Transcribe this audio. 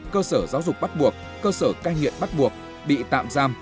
cơ sở giáo dục bắt buộc cơ sở cai nghiện bắt buộc bị tạm giam